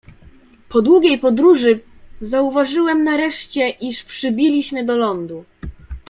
"Po długiej podróży zauważyłem nareszcie, iż przybiliśmy do lądu."